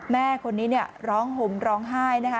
แม่คนนี้เนี่ยร้องห่มร้องไห้นะคะ